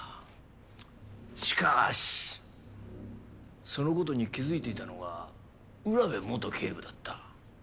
しかーしその事に気づいていたのが占部元警部だった。